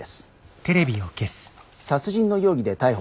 殺人の容疑で逮捕され」。